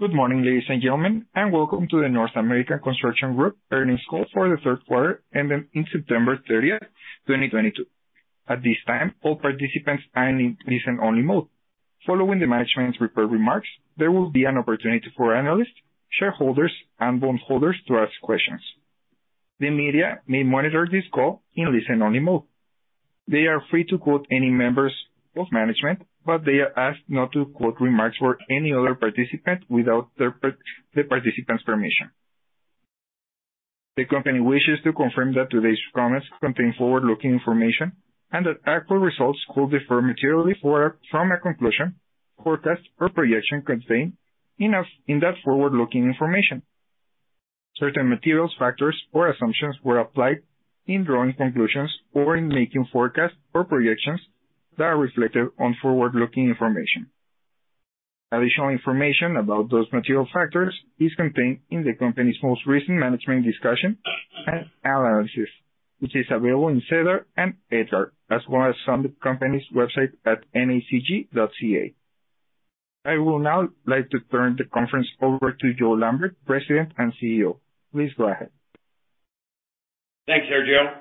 Good morning, ladies and gentlemen, and Welcome to The North American Construction Group Earnings Call for the Third Quarter Ending September 30, 2022. At this time, all participants are in listen-only mode. Following the management's prepared remarks, there will be an opportunity for analysts, shareholders and bondholders to ask questions. The media may monitor this call in listen-only mode. They are free to quote any members of management, but they are asked not to quote remarks for any other participant without the participant's permission. The company wishes to confirm that today's comments contain forward-looking information and that actual results could differ materially from a conclusion, forecast or projection contained in that forward-looking information. Certain materials, factors or assumptions were applied in drawing conclusions or in making forecasts or projections that are reflected on forward-looking information. Additional information about those material factors is contained in the company's most recent management discussion and analysis, which is available in SEDAR and EDGAR, as well as on the company's website at nacg.ca. I would now like to turn the conference over to Joe Lambert, President and CEO. Please go ahead. Thanks, Sergio.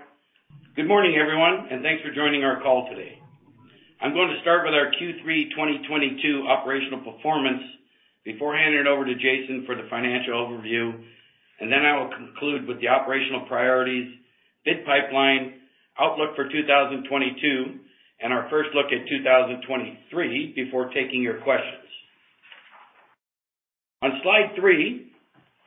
Good morning, everyone, and thanks for joining our call today. I'm going to start with our Q3 2022 operational performance before handing it over to Jason for the financial overview. I will conclude with the operational priorities, bid pipeline, outlook for 2022, and our first look at 2023 before taking your questions. On slide three,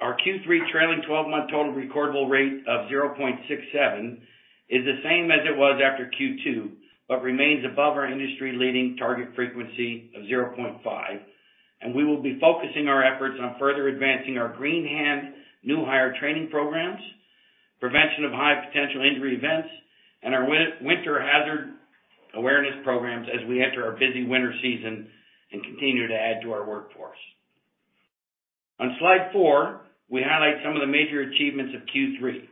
our Q3 trailing 12-month total recordable rate of 0.67 is the same as it was after Q2, but remains above our industry leading target frequency of 0.5. We will be focusing our efforts on further advancing our Green Hand new hire training programs, prevention of high potential injury events, and our winter hazard awareness programs as we enter our busy winter season and continue to add to our workforce. On slide four, we highlight some of the major achievements of Q3.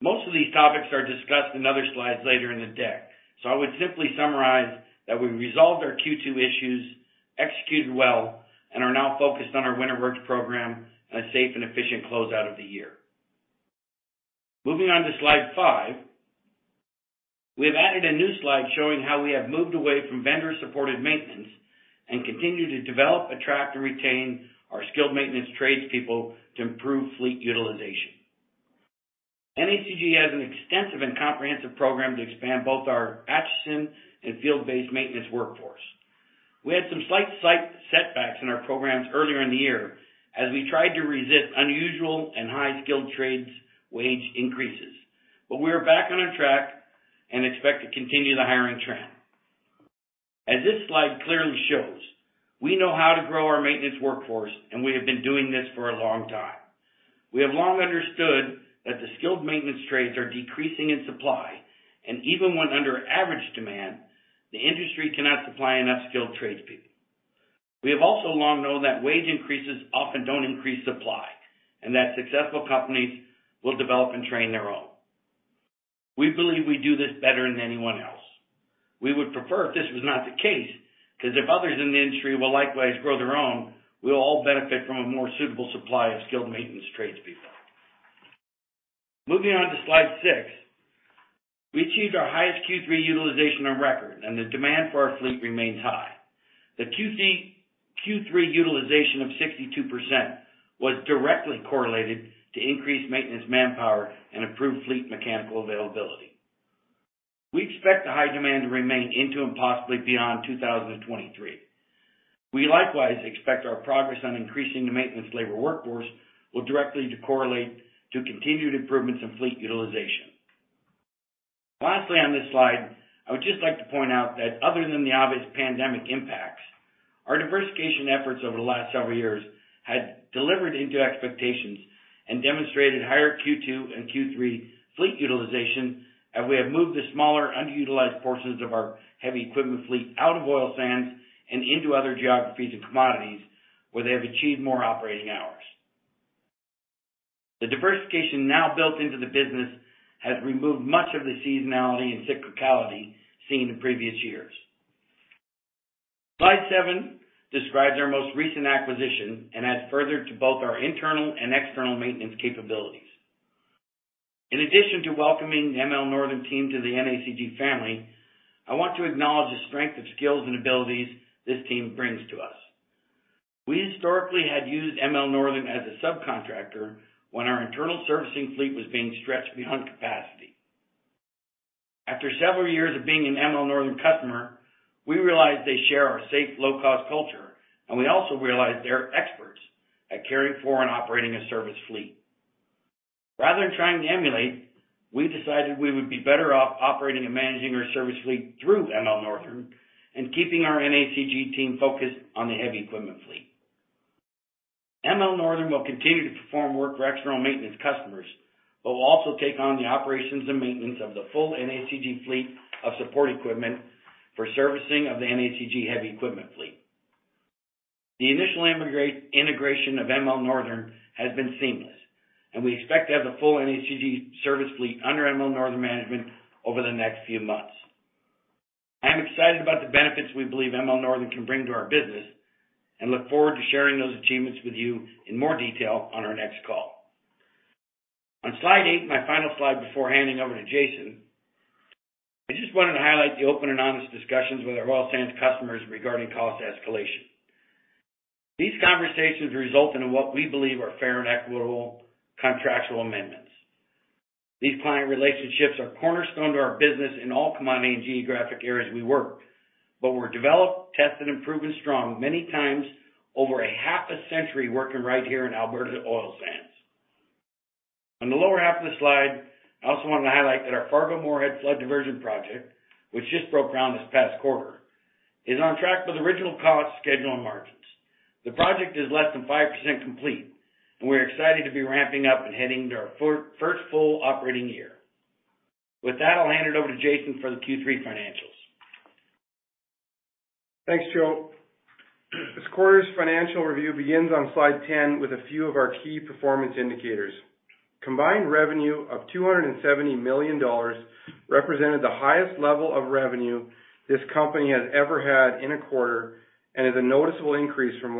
Most of these topics are discussed in other slides later in the deck, so I would simply summarize that we resolved our Q2 issues, executed well, and are now focused on our winter works program and a safe and efficient closeout of the year. Moving on to slide five. We have added a new slide showing how we have moved away from vendor supported maintenance and continue to develop, attract, and retain our skilled maintenance trades people to improve fleet utilization. NACG has an extensive and comprehensive program to expand both our Acheson and field-based maintenance workforce. We had some slight site setbacks in our programs earlier in the year as we tried to resist unusual and high skilled trades wage increases, but we are back on track and expect to continue the hiring trend. As this slide clearly shows, we know how to grow our maintenance workforce, and we have been doing this for a long time. We have long understood that the skilled maintenance trades are decreasing in supply, and even when under average demand, the industry cannot supply enough skilled trades people. We have also long known that wage increases often don't increase supply, and that successful companies will develop and train their own. We believe we do this better than anyone else. We would prefer if this was not the case, because if others in the industry will likewise grow their own, we'll all benefit from a more suitable supply of skilled maintenance trades people. Moving on to slide six. We achieved our highest Q3 utilization on record and the demand for our fleet remains high. The Q3 utilization of 62% was directly correlated to increased maintenance manpower and improved fleet mechanical availability. We expect the high demand to remain into and possibly beyond 2023. We likewise expect our progress on increasing the maintenance labor workforce will directly correlate to continued improvements in fleet utilization. Lastly, on this slide, I would just like to point out that other than the obvious pandemic impacts, our diversification efforts over the last several years had delivered into expectations and demonstrated higher Q2 and Q3 fleet utilization as we have moved the smaller, underutilized portions of our heavy equipment fleet out of oil sands and into other geographies and commodities where they have achieved more operating hours. The diversification now built into the business has removed much of the seasonality and cyclicality seen in previous years. Slide seven describes our most recent acquisition, and adds further to both our internal and external maintenance capabilities. In addition to welcoming the ML Northern team to the NACG family, I want to acknowledge the strength of skills and abilities this team brings to us. We historically had used ML Northern as a subcontractor when our internal servicing fleet was being stretched beyond capacity. After several years of being an ML Northern customer, we realized they share our safe, low cost culture, and we also realized they're experts at caring for and operating a service fleet. Rather than trying to emulate, we decided we would be better off operating and managing our service fleet through ML Northern and keeping our NACG team focused on the heavy equipment fleet. ML Northern will continue to perform work for external maintenance customers, but will also take on the operations and maintenance of the full NACG fleet of support equipment for servicing of the NACG heavy equipment fleet. The initial integration of ML Northern has been seamless, and we expect to have the full NACG service fleet under ML Northern management over the next few months. I am excited about the benefits we believe ML Northern can bring to our business and look forward to sharing those achievements with you in more detail on our next call. On slide eight, my final slide before handing over to Jason, I just wanted to highlight the open and honest discussions with our oil sands customers regarding cost escalation. These conversations result in what we believe are fair and equitable contractual amendments. These client relationships are cornerstone to our business in all commodity and geographic areas we work, but were developed, tested, and proven strong many times over a half a century working right here in Alberta oil sands. On the lower half of the slide, I also wanted to highlight that our Fargo-Moorhead Flood Diversion Project, which just broke ground this past quarter, is on track with original cost, schedule, and margins. The project is less than 5% complete, and we're excited to be ramping up and heading to our first full operating year. With that, I'll hand it over to Jason for the Q3 financials. Thanks, Joe. This quarter's financial review begins on slide 10 with a few of our key performance indicators. Combined revenue of 270 million dollars represented the highest level of revenue this company has ever had in a quarter, and is a noticeable increase from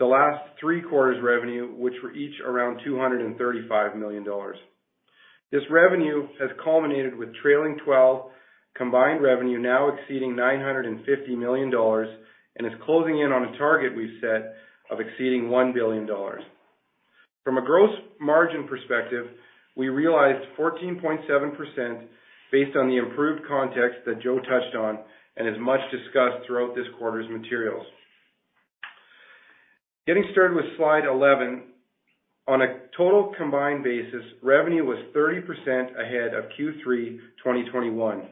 the last three quarters revenue, which were each around 235 million dollars. This revenue has culminated with trailing twelve combined revenue now exceeding 950 million dollars, and is closing in on a target we've set of exceeding 1 billion dollars. From a gross margin perspective, we realized 14.7% based on the improved context that Joe touched on and is much discussed throughout this quarter's materials. Getting started with slide 11. On a total combined basis, revenue was 30% ahead of Q3 2021.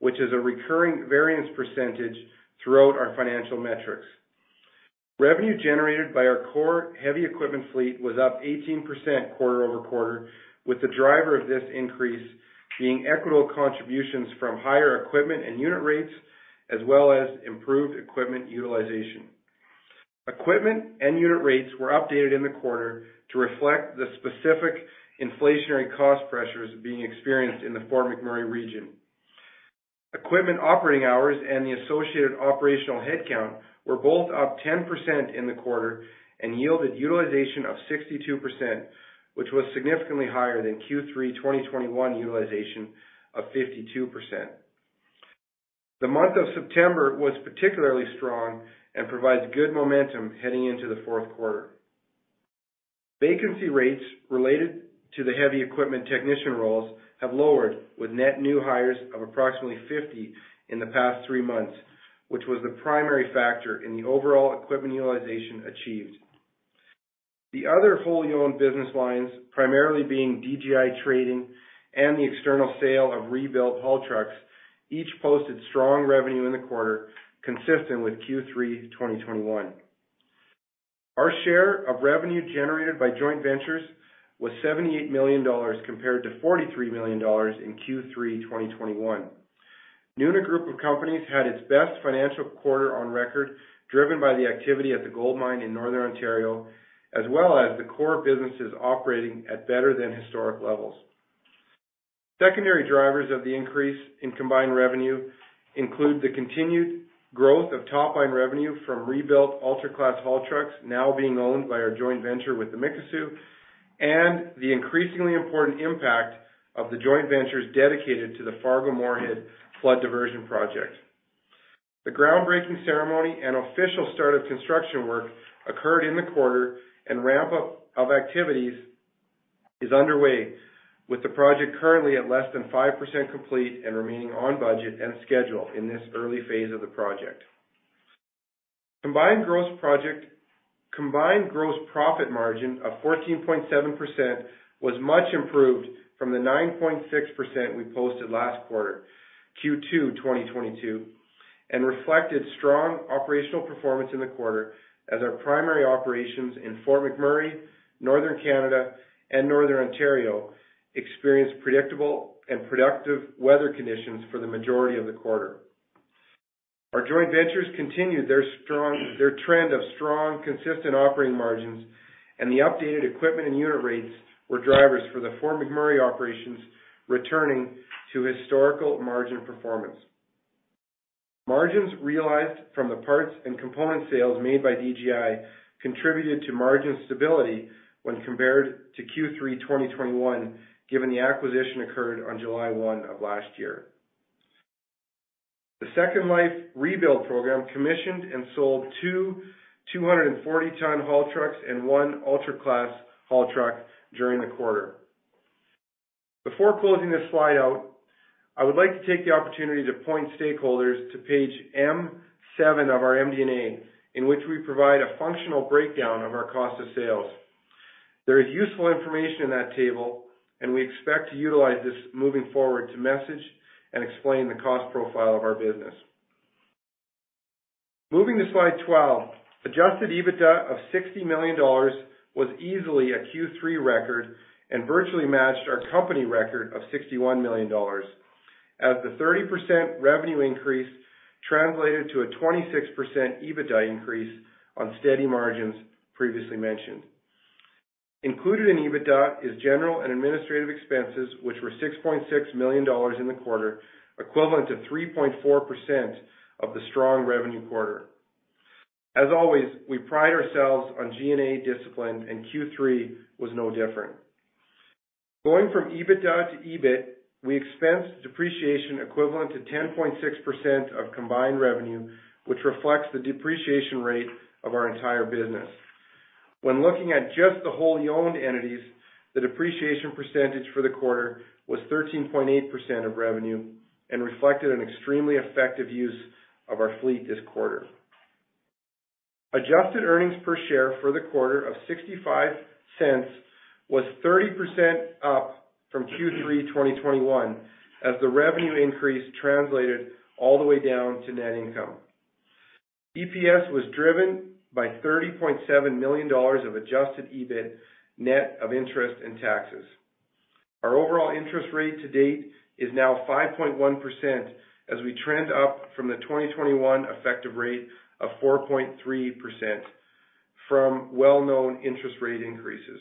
which is a recurring variance percentage throughout our financial metrics. Revenue generated by our core heavy equipment fleet was up 18% quarter-over-quarter, with the driver of this increase being equitable contributions from higher equipment and unit rates, as well as improved equipment utilization. Equipment and unit rates were updated in the quarter to reflect the specific inflationary cost pressures being experienced in the Fort McMurray region. Equipment operating hours and the associated operational headcount were both up 10% in the quarter and yielded utilization of 62%, which was significantly higher than Q3 2021 utilization of 52%. The month of September was particularly strong and provides good momentum heading into the fourth quarter. Vacancy rates related to the heavy equipment technician roles have lowered with net new hires of approximately 50 in the past three months, which was the primary factor in the overall equipment utilization achieved. The other wholly owned business lines, primarily being DGI Trading and the external sale of rebuilt haul trucks, each posted strong revenue in the quarter consistent with Q3 2021. Our share of revenue generated by joint ventures was 78 million dollars compared to 43 million dollars in Q3 2021. Nuna Group of Companies had its best financial quarter on record, driven by the activity at the gold mine in Northern Ontario, as well as the core businesses operating at better than historic levels. Secondary drivers of the increase in combined revenue include the continued growth of top-line revenue from rebuilt ultra-class haul trucks now being owned by our joint venture with the Mikisew, and the increasingly important impact of the joint ventures dedicated to the Fargo-Moorhead Flood Diversion Project. The groundbreaking ceremony and official start of construction work occurred in the quarter and ramp up of activities is underway with the project currently at less than 5% complete and remaining on budget and schedule in this early phase of the project. Combined gross profit margin of 14.7% was much improved from the 9.6% we posted last quarter, Q2 2022, and reflected strong operational performance in the quarter as our primary operations in Fort McMurray, Northern Canada, and Northern Ontario experienced predictable and productive weather conditions for the majority of the quarter. Our joint ventures continued their trend of strong, consistent operating margins, and the updated equipment and unit rates were drivers for the Fort McMurray operations returning to historical margin performance. Margins realized from the parts and component sales made by DGI contributed to margin stability when compared to Q3 2021, given the acquisition occurred on July 1 of last year. The Second Life Rebuild program commissioned and sold two 240-ton haul trucks and one ultra-class haul truck during the quarter. Before closing this slide out, I would like to take the opportunity to point stakeholders to page M7 of our MD&A, in which we provide a functional breakdown of our cost of sales. There is useful information in that table, and we expect to utilize this moving forward to message and explain the cost profile of our business. Moving to slide 12. Adjusted EBITDA of 60 million dollars was easily a Q3 record and virtually matched our company record of 61 million dollars. As the 30% revenue increase translated to a 26% EBITDA increase on steady margins previously mentioned. Included in EBITDA is general and administrative expenses, which were 6.6 million dollars in the quarter, equivalent to 3.4% of the strong revenue quarter. As always, we pride ourselves on G&A discipline, and Q3 was no different. Going from EBITDA to EBIT, we expensed depreciation equivalent to 10.6% of combined revenue, which reflects the depreciation rate of our entire business. When looking at just the wholly owned entities, the depreciation percentage for the quarter was 13.8% of revenue and reflected an extremely effective use of our fleet this quarter. Adjusted earnings per share for the quarter of 0.65 was 30% up from Q3 2021, as the revenue increase translated all the way down to net income. EPS was driven by 30.7 million dollars of adjusted EBIT net of interest and taxes. Our overall interest rate to date is now 5.1% as we trend up from the 2021 effective rate of 4.3% from well-known interest rate increases.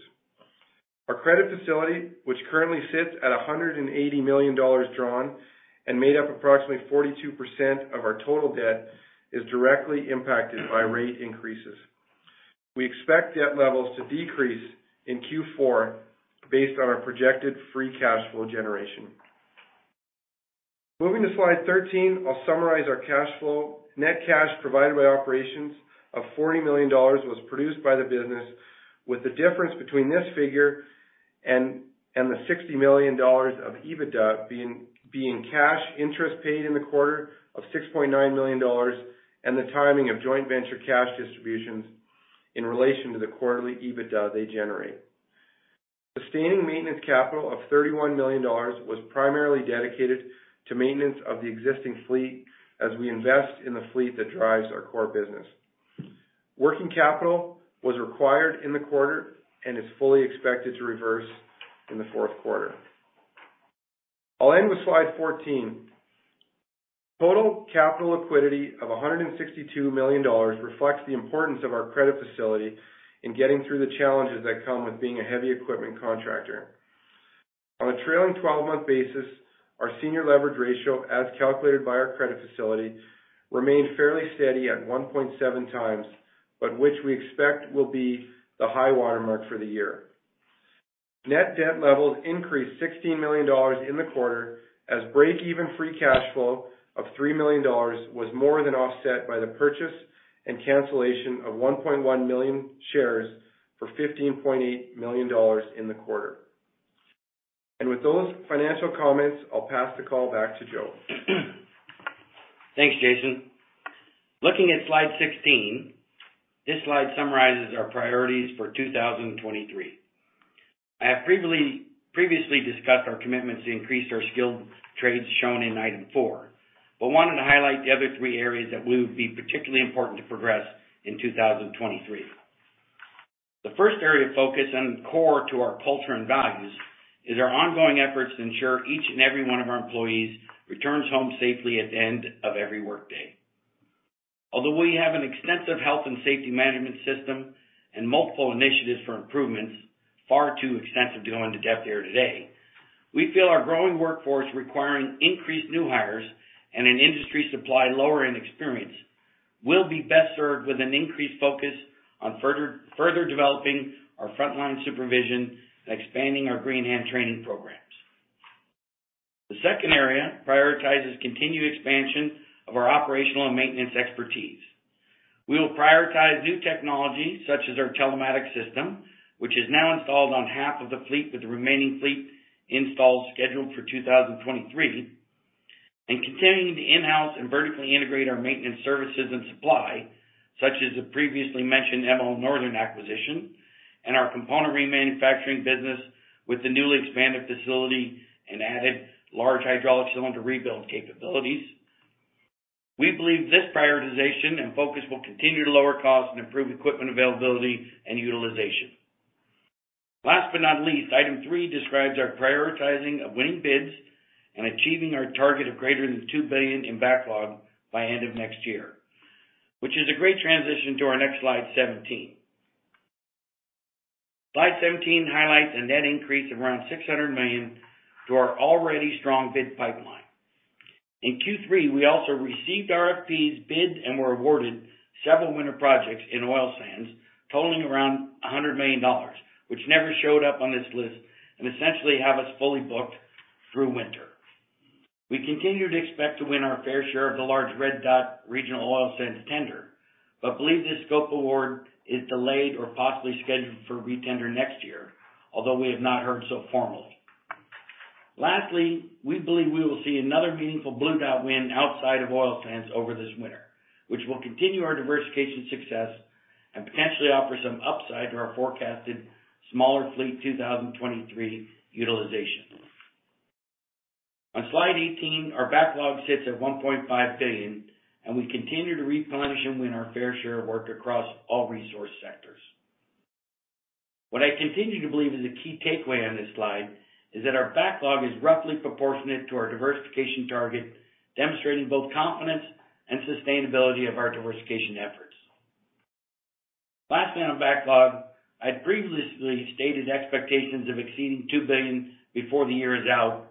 Our credit facility, which currently sits at 180 million dollars drawn and made up approximately 42% of our total debt, is directly impacted by rate increases. We expect debt levels to decrease in Q4 based on our projected free cash flow generation. Moving to slide 13, I'll summarize our cash flow. Net cash provided by operations of 40 million dollars was produced by the business, with the difference between this figure and the 60 million dollars of EBITDA being cash interest paid in the quarter of 6.9 million dollars and the timing of joint venture cash distributions in relation to the quarterly EBITDA they generate. Sustaining maintenance capital of 31 million dollars was primarily dedicated to maintenance of the existing fleet as we invest in the fleet that drives our core business. Working capital was required in the quarter and is fully expected to reverse in the fourth quarter. I'll end with slide 14. Total capital liquidity of 162 million dollars reflects the importance of our credit facility in getting through the challenges that come with being a heavy equipment contractor. On a trailing twelve-month basis, our senior leverage ratio, as calculated by our credit facility, remained fairly steady at 1.7 times, but which we expect will be the high watermark for the year. Net debt levels increased 16 million dollars in the quarter as break-even free cash flow of 3 million dollars was more than offset by the purchase and cancellation of 1.1 million shares for 15.8 million dollars in the quarter. With those financial comments, I'll pass the call back to Joe. Thanks, Jason. Looking at slide 16, this slide summarizes our priorities for 2023. I have previously discussed our commitments to increase our skilled trades shown in item four, but wanted to highlight the other three areas that will be particularly important to progress in 2023. The first area of focus and core to our culture and values is our ongoing efforts to ensure each and every one of our employees returns home safely at the end of every workday. Although we have an extensive health and safety management system and multiple initiatives for improvements, far too extensive to go into depth here today, we feel our growing workforce requiring increased new hires and an industry supply lower in experience will be best served with an increased focus on further developing our frontline supervision and expanding our Green Hand training programs. The second area prioritizes continued expansion of our operational and maintenance expertise. We will prioritize new technologies such as our telematics system, which is now installed on half of the fleet with the remaining fleet installs scheduled for 2023, and continuing to in-house and vertically integrate our maintenance services and supply, such as the previously mentioned ML Northern acquisition and our component remanufacturing business with the newly expanded facility and added large hydraulic cylinder rebuild capabilities. We believe this prioritization and focus will continue to lower costs and improve equipment availability and utilization. Last but not least, item three describes our prioritizing of winning bids and achieving our target of greater than 2 billion in backlog by end of next year, which is a great transition to our next slide 17. Slide 17 highlights a net increase of around 600 million to our already strong bid pipeline. In Q3, we also received RFPs, bid and were awarded several winter projects in oil sands totaling around 100 million dollars, which never showed up on this list and essentially have us fully booked through winter. We continue to expect to win our fair share of the large Red Dot regional oil sands tender, but believe this scope award is delayed or possibly scheduled for re-tender next year, although we have not heard so formally. Lastly, we believe we will see another meaningful Blue Dot win outside of oil sands over this winter, which will continue our diversification success and potentially offer some upside to our forecasted smaller fleet 2023 utilization. On slide 18, our backlog sits at 1.5 billion, and we continue to replenish and win our fair share of work across all resource sectors. What I continue to believe is a key takeaway on this slide is that our backlog is roughly proportionate to our diversification target, demonstrating both confidence and sustainability of our diversification efforts. Lastly, on backlog, I'd previously stated expectations of exceeding 2 billion before the year is out.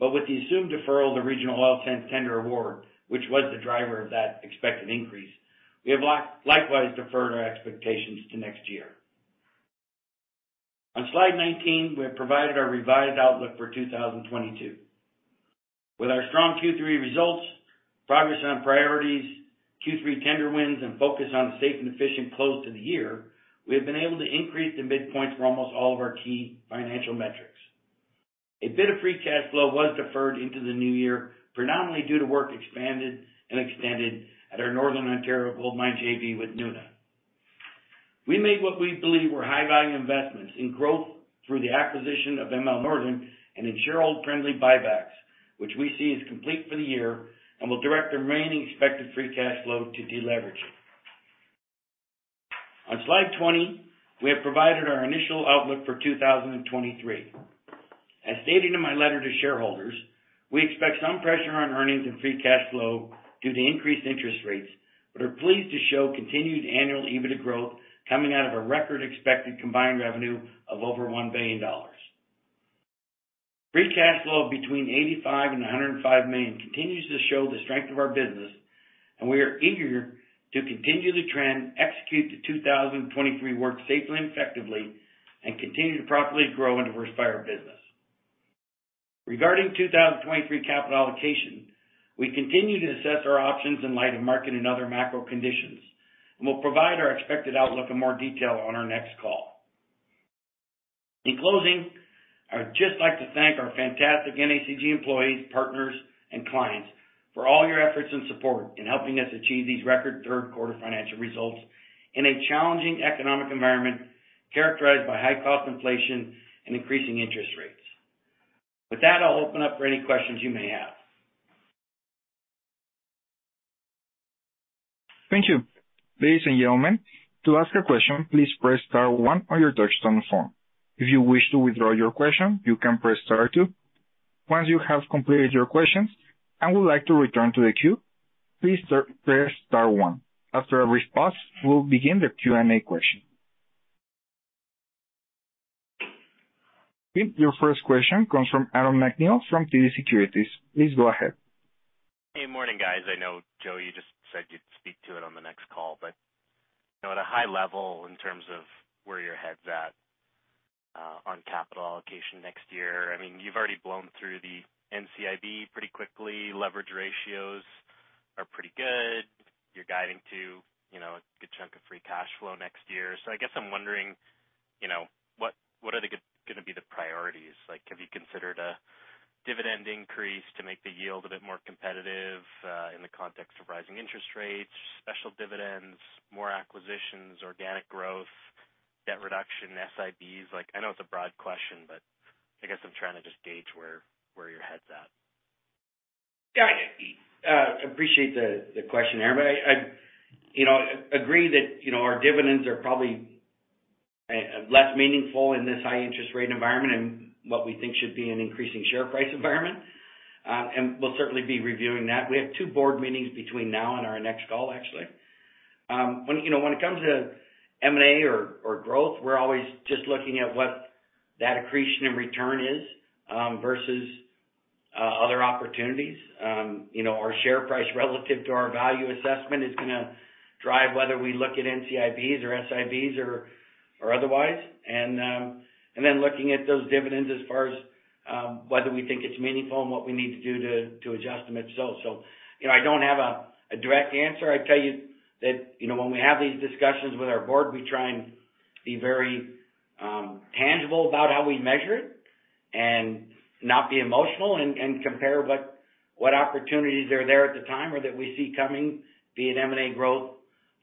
With the assumed deferral of the Regional Oil Sands tender award, which was the driver of that expected increase, we have likewise deferred our expectations to next year. On slide 19, we have provided our revised outlook for 2022. With our strong Q3 results, progress on priorities, Q3 tender wins, and focus on a safe and efficient close to the year, we have been able to increase the midpoint for almost all of our key financial metrics. A bit of free cash flow was deferred into the new year, predominantly due to work expanded and extended at our Northern Ontario Goldmine JV with Nuna. We made what we believe were high-value investments in growth through the acquisition of ML Northern and in shareholder-friendly buybacks, which we see as complete for the year and will direct the remaining expected free cash flow to deleveraging. On slide 20, we have provided our initial outlook for 2023. As stated in my letter to shareholders, we expect some pressure on earnings and free cash flow due to increased interest rates, but are pleased to show continued annual EBITDA growth coming out of a record expected combined revenue of over 1 billion dollars. Free cash flow between 85 million and 105 million continues to show the strength of our business, and we are eager to continue the trend, execute the 2023 work safely and effectively, and continue to profitably grow and diversify our business. Regarding 2023 capital allocation, we continue to assess our options in light of market and other macro conditions, and we'll provide our expected outlook in more detail on our next call. In closing, I would just like to thank our fantastic NACG employees, partners, and clients for all your efforts and support in helping us achieve these record third quarter financial results in a challenging economic environment characterized by high cost inflation and increasing interest rates. With that, I'll open up for any questions you may have. Thank you. Ladies and gentlemen, to ask a question, please press star one on your touchtone phone. If you wish to withdraw your question, you can press star two. Once you have completed your questions and would like to return to the queue, please press star one. After a response, we'll begin the Q&A. Your first question comes from Aaron MacNeil from TD Securities. Please go ahead. Hey. Morning, guys. I know, Joe, you just said you'd speak to it on the next call, but you know, at a high level, in terms of where your head's at on capital allocation next year, I mean, you've already blown through the NCIB pretty quickly. Leverage ratios are pretty good. You're guiding to, you know, a good chunk of free cash flow next year. I guess I'm wondering, you know, what are gonna be the priorities? Like, have you considered a dividend increase to make the yield a bit more competitive in the context of rising interest rates, special dividends, more acquisitions, organic growth, debt reduction, SIBs? Like, I know it's a broad question, but I guess I'm trying to just gauge where your head's at. Yeah. Appreciate the question, Aaron MacNeil. I agree that, you know, our dividends are probably less meaningful in this high interest rate environment and what we think should be an increasing share price environment. We'll certainly be reviewing that. We have two board meetings between now and our next call, actually. You know, when it comes to M&A or growth, we're always just looking at what that accretion and return is versus other opportunities. You know, our share price relative to our value assessment is gonna drive whether we look at NCIBs or SIBs or otherwise. And then looking at those dividends as far as whether we think it's meaningful and what we need to do to adjust them if so. You know, I don't have a direct answer. I'd tell you that, you know, when we have these discussions with our board, we try and be very tangible about how we measure it and not be emotional and compare what opportunities are there at the time or that we see coming, be it M&A growth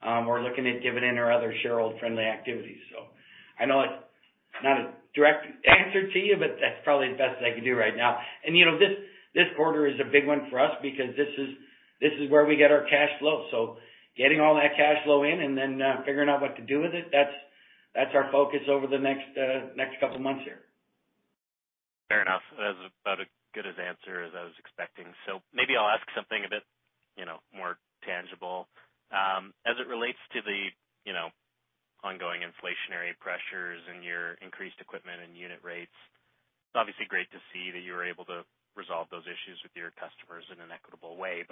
or looking at dividend or other shareholder-friendly activities. I know it's not a direct answer to you, but that's probably the best I can do right now. You know, this quarter is a big one for us because this is where we get our cash flow. Getting all that cash flow in and then figuring out what to do with it, that's our focus over the next couple months here. Fair enough. That was about as good as answer as I was expecting. Maybe I'll ask something a bit, you know, more tangible. As it relates to the, you know, ongoing inflationary pressures and your increased equipment and unit rates, it's obviously great to see that you were able to resolve those issues with your customers in an equitable way.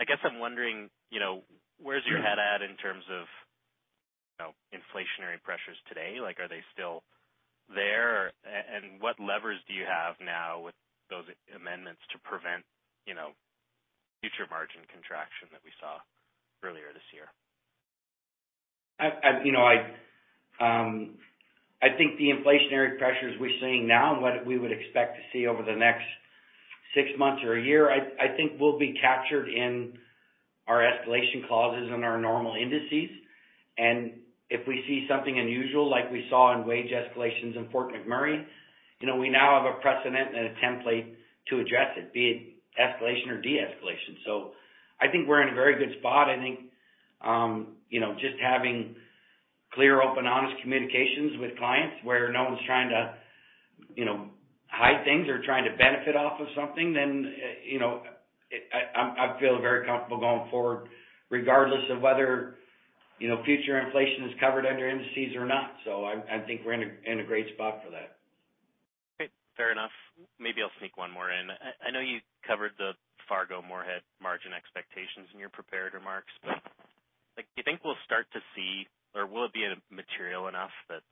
I guess I'm wondering, you know, where's your head at in terms of, you know, inflationary pressures today? Like, are they still there? And what levers do you have now with those amendments to prevent, you know, future margin contraction that we saw earlier this year? I think the inflationary pressures we're seeing now and what we would expect to see over the next six months or a year, I think will be captured in our escalation clauses and our normal indices. If we see something unusual like we saw in wage escalations in Fort McMurray, you know, we now have a precedent and a template to address it, be it escalation or de-escalation. I think we're in a very good spot. I think you know, just having clear, open, honest communications with clients where no one's trying to, you know, hide things or trying to benefit off of something, then, you know, I feel very comfortable going forward, regardless of whether, you know, future inflation is covered under indices or not. I think we're in a great spot for that. Okay, fair enough. Maybe I'll sneak one more in. I know you covered the Fargo-Moorhead margin expectations in your prepared remarks. Like, do you think we'll start to see, or will it be material enough that,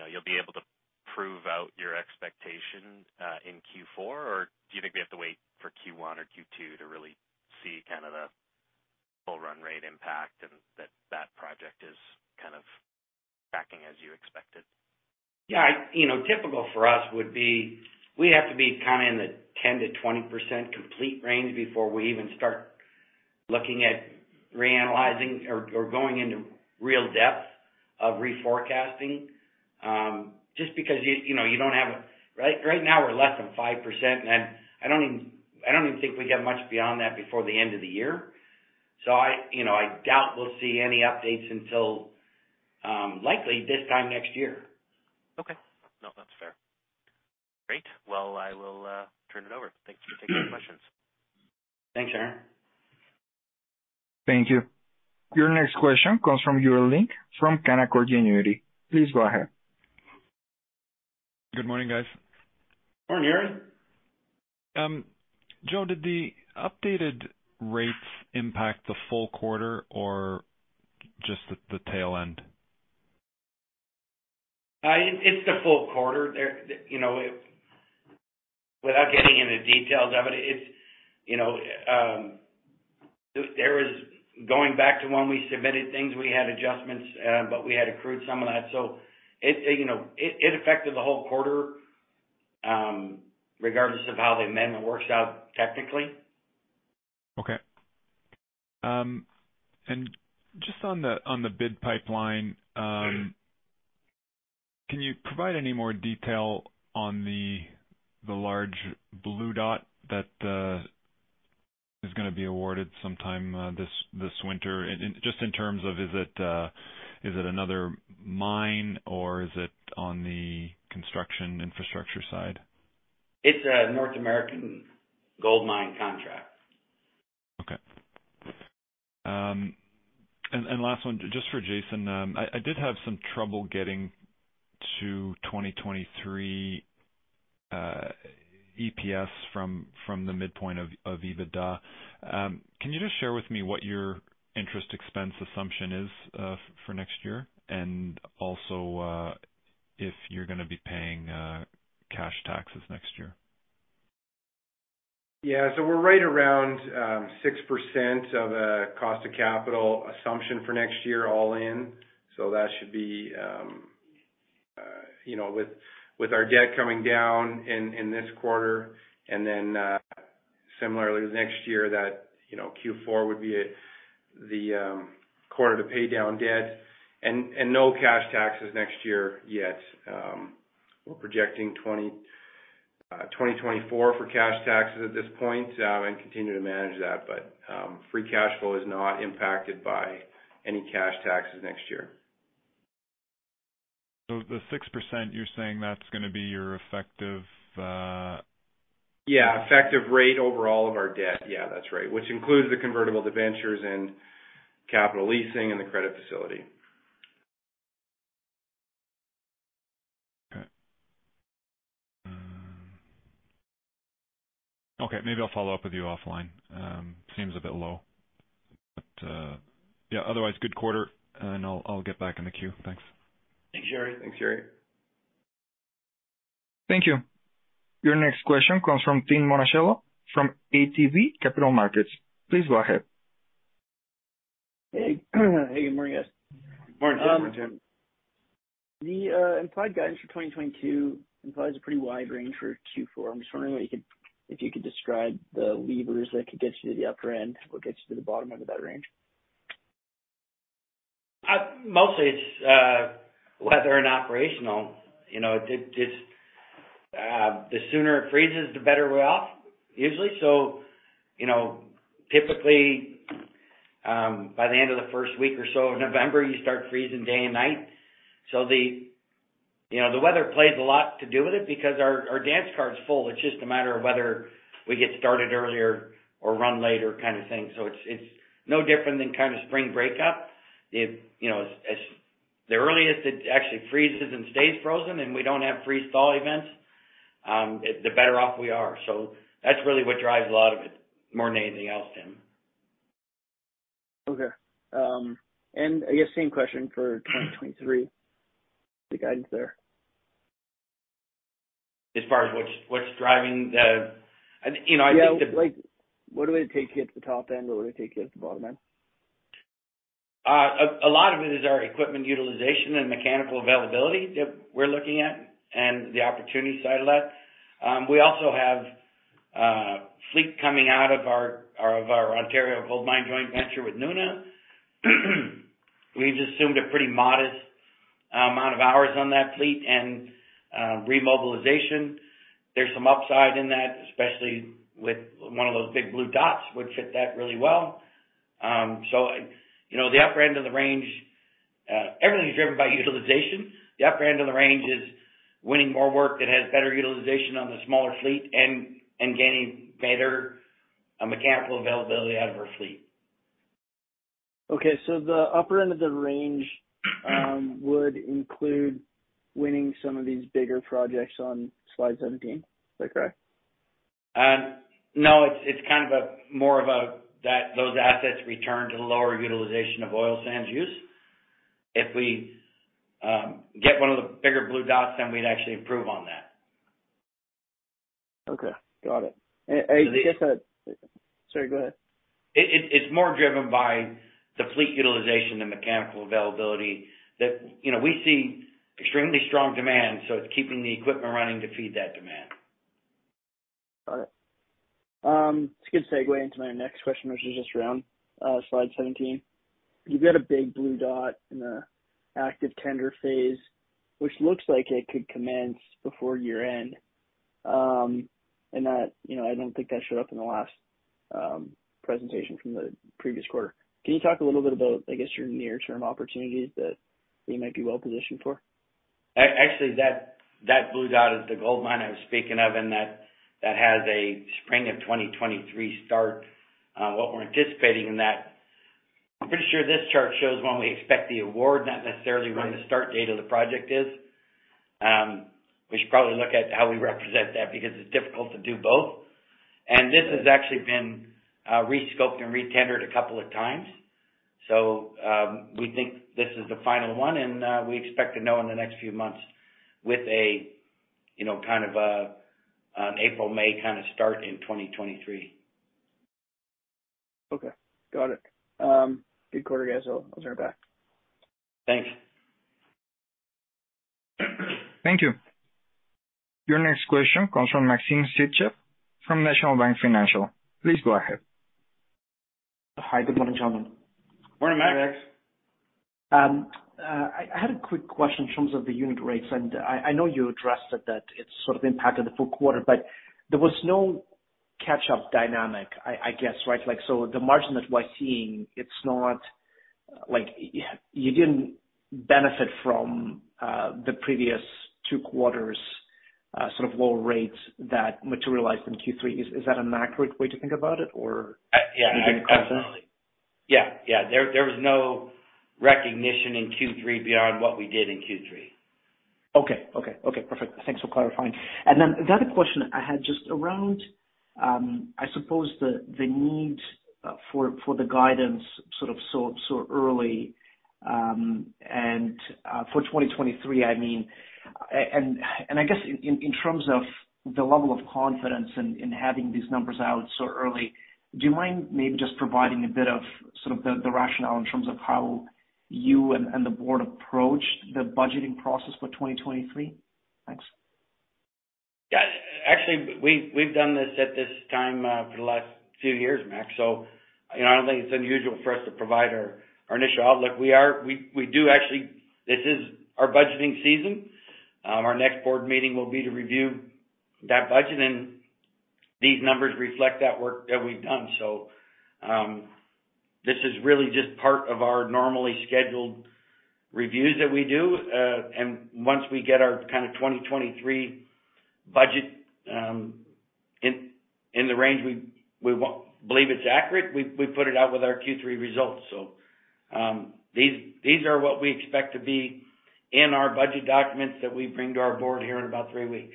you know, you'll be able to prove out your expectation in Q4? Or do you think we have to wait for Q1 or Q2 to really see kind of the full run rate impact and that project is kind of tracking as you expected? You know, typical for us would be, we have to be kind of in the 10%-20% complete range before we even start looking at reanalyzing or going into real depth of reforecasting. Just because, you know, right now, we're less than 5%, and I don't even think we get much beyond that before the end of the year. You know, I doubt we'll see any updates until likely this time next year. Okay. No, that's fair. Great. Well, I will turn it over. Thanks for taking the questions. Thanks, Aaron. Thank you. Your next question comes from Yuri Lynk from Canaccord Genuity. Please go ahead. Good morning, guys. Morning, Yuri. Joe, did the updated rates impact the full quarter or just the tail end? It's the full quarter there. You know, without getting into details of it's, you know, there was going back to when we submitted things, we had adjustments, but we had accrued some of that. It, you know, it affected the whole quarter, regardless of how the amendment works out technically. Okay. Just on the bid pipeline, can you provide any more detail on the large Blue Dot that is gonna be awarded sometime this winter? Just in terms of, is it another mine or is it on the construction infrastructure side? It's a North American gold mine contract. Okay. Last one, just for Jason. I did have some trouble getting to 2023 EPS from the midpoint of EBITDA. Can you just share with me what your interest expense assumption is for next year and also if you're gonna be paying cash taxes next year? Yeah. We're right around 6% of a cost to capital assumption for next year all in. That should be, you know, with our debt coming down in this quarter and then similarly next year that Q4 would be the quarter to pay down debt. No cash taxes next year yet. We're projecting 2024 for cash taxes at this point and continue to manage that. Free cash flow is not impacted by any cash taxes next year. The 6%, you're saying that's gonna be your effective, Yeah, effective rate over all of our debt. Yeah, that's right. Which includes the convertible debentures and capital leasing and the credit facility. Okay. Okay, maybe I'll follow up with you offline. Seems a bit low. Yeah, otherwise, good quarter, and I'll get back in the queue. Thanks. Thanks, Yuri. Thanks, Yuri. Thank you. Your next question comes from Tim Monachello from ATB Capital Markets. Please go ahead. Hey. Hey, good morning, guys. Morning, Tim. Morning, Tim. The implied guidance for 2022 implies a pretty wide range for Q4. I'm just wondering if you could describe the levers that could get you to the upper end, what gets you to the bottom end of that range? Mostly it's weather and operational. You know, it's the sooner it freezes, the better we're off usually. You know, typically, by the end of the first week or so of November, you start freezing day and night. You know, the weather plays a lot to do with it because our dance card is full. It's just a matter of whether we get started earlier or run later kind of thing. It's no different than kind of spring breakup. You know, the earliest it actually freezes and stays frozen and we don't have freeze-thaw events, the better off we are. That's really what drives a lot of it more than anything else, Tim. Okay. I guess same question for 2023, the guidance there. As far as what's driving the, you know, I think the Yeah. Like, what do they take you at the top end? What would it take you at the bottom end? A lot of it is our equipment utilization and mechanical availability that we're looking at and the opportunity side of that. We also have fleet coming out of our Ontario gold mine joint venture with Nuna. We've assumed a pretty modest amount of hours on that fleet and remobilization. There's some upside in that, especially with one of those big blue dots would fit that really well. So, you know, the upper end of the range, everything's driven by utilization. The upper end of the range is winning more work that has better utilization on the smaller fleet and gaining better mechanical availability out of our fleet. The upper end of the range would include winning some of these bigger projects on slide 17? Is that correct? No. It's kind of more of a that those assets return to the lower utilization of oil sands use. If we get one of the bigger Blue Dots, then we'd actually improve on that. Okay. Got it. So the- Sorry, go ahead. It's more driven by the fleet utilization, the mechanical availability. You know, we see extremely strong demand, so it's keeping the equipment running to feed that demand. Got it. It's a good segue into my next question, which is just around slide 17. You've got a big Blue Dot in the active tender phase, which looks like it could commence before year end. That, you know, I don't think that showed up in the last presentation from the previous quarter. Can you talk a little bit about, I guess, your near-term opportunities that we might be well-positioned for? Actually that Blue Dot is the goldmine I was speaking of, and that has a spring of 2023 start. What we're anticipating in that. I'm pretty sure this chart shows when we expect the award, not necessarily when the start date of the project is. We should probably look at how we represent that because it's difficult to do both. This has actually been re-scoped and re-tendered a couple of times. We think this is the final one, and we expect to know in the next few months with a, you know, kind of an April/May kind of start in 2023. Okay, got it. Good quarter, guys. I'll turn it back. Thanks. Thank you. Your next question comes from Maxim Sytchev from National Bank Financial. Please go ahead. Hi. Good morning, gentlemen. Morning, Max. Max. I had a quick question in terms of the unit rates. I know you addressed that it sort of impacted the full quarter, but there was no catch-up dynamic, I guess, right? Like, the margin that we're seeing, it's not like you didn't benefit from the previous two quarters sort of low rates that materialized in Q3. Is that an accurate way to think about it? Yeah. You can comment on it? Absolutely. Yeah. There was no recognition in Q3 beyond what we did in Q3. Okay, perfect. Thanks for clarifying. The other question I had just around, I suppose the need for the guidance sort of so early, and for 2023, I mean. I guess in terms of the level of confidence in having these numbers out so early, do you mind maybe just providing a bit of sort of the rationale in terms of how you and the board approached the budgeting process for 2023? Thanks. Yeah. Actually, we've done this at this time for the last few years, Max. You know, I don't think it's unusual for us to provide our initial outlook. We do actually. This is our budgeting season. Our next board meeting will be to review that budget, and these numbers reflect that work that we've done. This is really just part of our normally scheduled reviews that we do. Once we get our kind of 2023 budget, in the range we believe it's accurate, we put it out with our Q3 results. These are what we expect to be in our budget documents that we bring to our board here in about three weeks.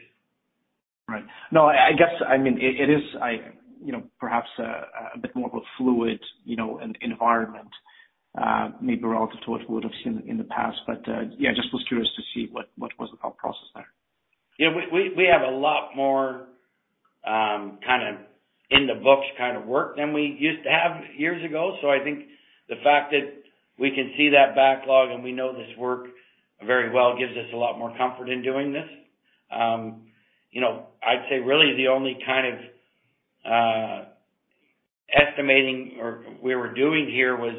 Right. No, I guess, I mean, it is, you know, perhaps a bit more of a fluid, you know, environment, maybe relative to what we would have seen in the past. Yeah, just was curious to see what was the thought process there. Yeah. We have a lot more kind of in the books kind of work than we used to have years ago. I think the fact that we can see that backlog and we know this work very well gives us a lot more comfort in doing this. You know, I'd say really the only kind of estimating or we were doing here was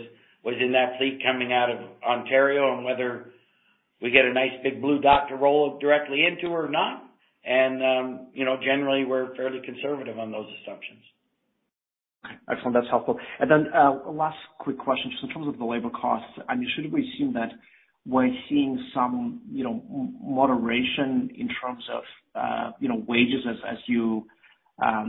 in that fleet coming out of Ontario and whether we get a nice big Blue Dot to roll directly into or not. You know, generally, we're fairly conservative on those assumptions. Excellent. That's helpful. Last quick question, just in terms of the labor costs, I mean, should we assume that we're seeing some, you know, moderation in terms of, you know, wages as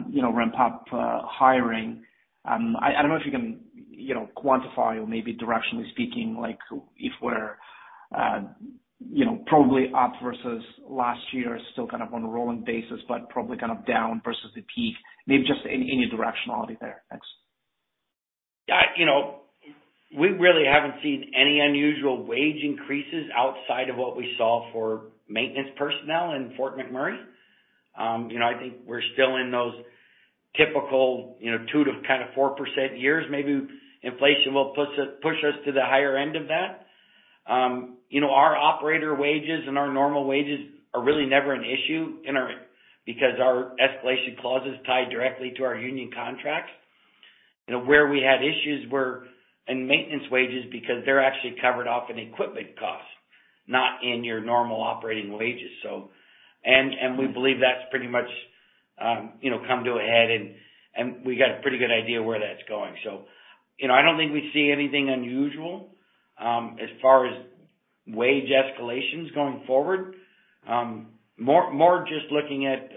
you know, ramp up, hiring? I don't know if you can, you know, quantify or maybe directionally speaking, like if we're, you know, probably up versus last year, still kind of on a rolling basis, but probably kind of down versus the peak. Maybe just any directionality there. Thanks. Yeah. You know, we really haven't seen any unusual wage increases outside of what we saw for maintenance personnel in Fort McMurray. You know, I think we're still in those typical, you know, 2% to kind of 4% years. Maybe inflation will push us to the higher end of that. You know, our operator wages and our normal wages are really never an issue. Because our escalation clause is tied directly to our union contracts. You know, where we had issues were in maintenance wages because they're actually covered off in equipment costs, not in your normal operating wages. And we believe that's pretty much, you know, come to a head and we got a pretty good idea where that's going. You know, I don't think we see anything unusual as far as wage escalations going forward. More just looking at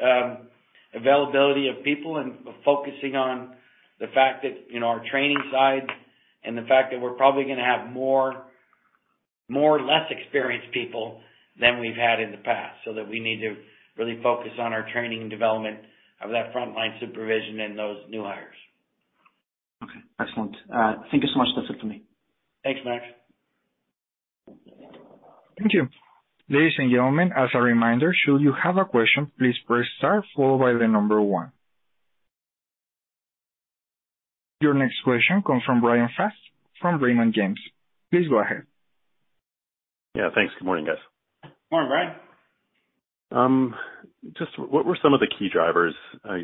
availability of people and focusing on the fact that, you know, our training side and the fact that we're probably gonna have more or less experienced people than we've had in the past, so that we need to really focus on our training and development of that frontline supervision and those new hires. Okay. Excellent. Thank you so much. That's it for me. Thanks, Max. Thank you. Ladies and gentlemen, as a reminder, should you have a question, please press star followed by the number one. Your next question comes from Bryan Fast from Raymond James. Please go ahead. Yeah, thanks. Good morning, guys. Morning, Bryan. Just what were some of the key drivers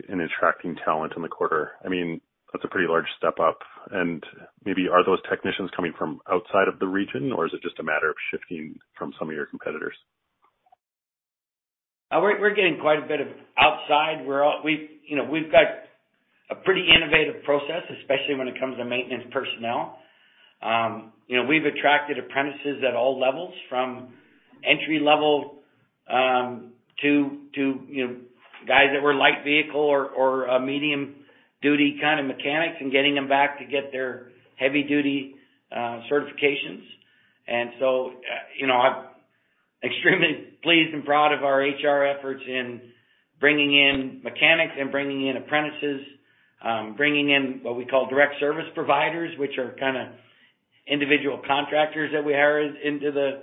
in attracting talent in the quarter? I mean, that's a pretty large step up. Maybe are those technicians coming from outside of the region, or is it just a matter of shifting from some of your competitors? We're getting quite a bit of outside. You know, we've got a pretty innovative process, especially when it comes to maintenance personnel. You know, we've attracted apprentices at all levels, from entry-level to you know, guys that were light vehicle or medium duty kind of mechanics and getting them back to get their heavy duty certifications. You know, I'm extremely pleased and proud of our HR efforts in bringing in mechanics and bringing in apprentices, bringing in what we call direct service providers, which are kinda individual contractors that we hire into the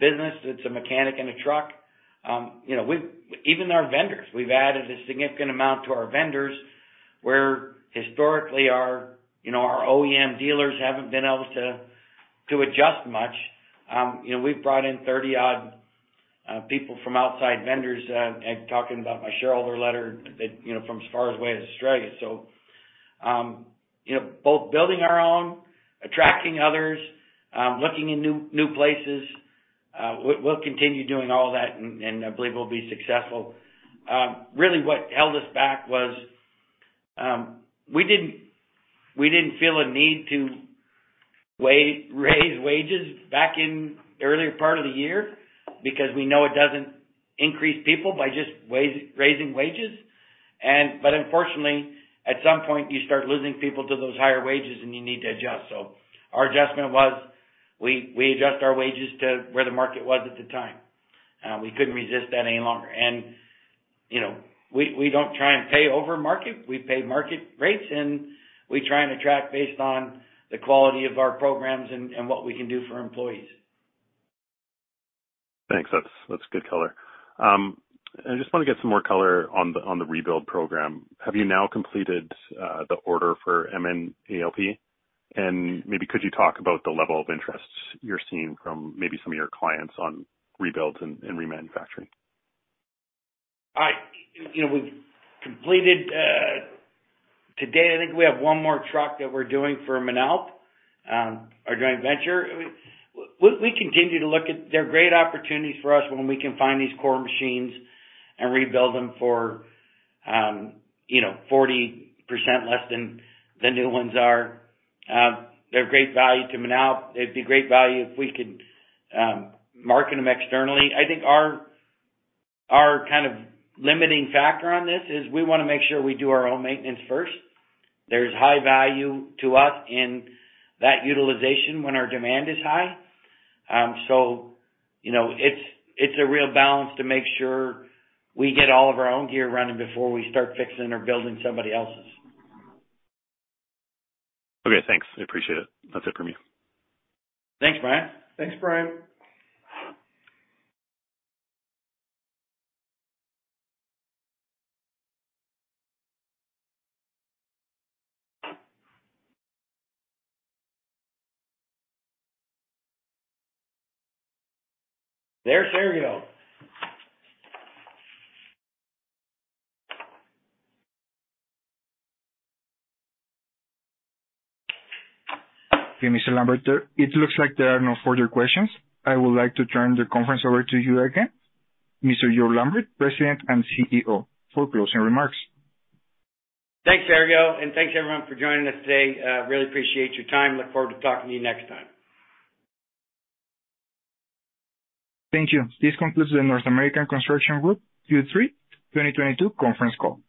business. It's a mechanic and a truck. You know, even our vendors. We've added a significant amount to our vendors, where historically our you know, our OEM dealers haven't been able to adjust much. You know, we've brought in 30-odd people from outside vendors. Talking about my shareholder letter that, you know, from as far away as Australia. You know, both building our own, attracting others, looking in new places. We'll continue doing all that and I believe we'll be successful. Really what held us back was we didn't feel a need to raise wages back in the earlier part of the year because we know it doesn't increase people by just raising wages. But unfortunately, at some point, you start losing people to those higher wages, and you need to adjust. Our adjustment was we adjust our wages to where the market was at the time. We couldn't resist that any longer. You know, we don't try and pay over market. We pay market rates, and we try and attract based on the quality of our programs and what we can do for employees. Thanks. That's good color. I just wanna get some more color on the rebuild program. Have you now completed the order for MN ALP? Maybe could you talk about the level of interest you're seeing from maybe some of your clients on rebuilds and remanufacturing? You know, we've completed. Today, I think we have one more truck that we're doing for an MN ALP, our joint venture. We continue to look at. They're great opportunities for us when we can find these core machines and rebuild them for, you know, 40% less than the new ones are. They're great value to MN ALP. It'd be great value if we could market them externally. I think our kind of limiting factor on this is we wanna make sure we do our own maintenance first. There's high value to us in that utilization when our demand is high. You know, it's a real balance to make sure we get all of our own gear running before we start fixing or building somebody else's. Okay, thanks. I appreciate it. That's it from me. Thanks, Bryan. Thanks, Bryan. There's Sergio. Okay, Mr. Lambert, it looks like there are no further questions. I would like to turn the conference over to you again, Mr. Joe Lambert, President and CEO, for closing remarks. Thanks, Sergio, and thanks everyone for joining us today. Really appreciate your time. Look forward to talking to you next time. Thank you. This concludes the North American Construction Group Q3 2022 conference call.